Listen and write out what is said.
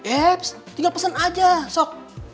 eps tinggal pesen aja sok